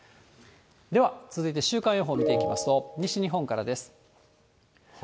では、続いて週間予報を見ていきますと、西日本からです。